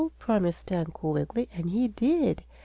promised Uncle Wiggily, and he did.